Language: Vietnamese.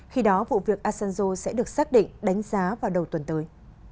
khi đó vụ việc asanzo sẽ được xác định đánh giá vào đầu tuần tới